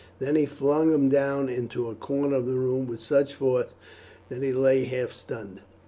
Then he flung him down into a corner of the room with such force that he lay half stunned.